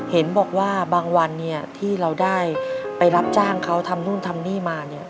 เห็นบอกว่าบางวันที่เราได้ไปรับจ้างเขาทำนู่นทำนี่มา